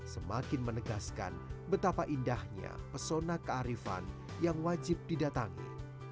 semakin menegaskan betapa indahnya pesona kearifan yang wajib didatangi